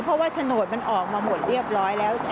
เพราะว่าโฉนดมันออกมาหมดเรียบร้อยแล้ว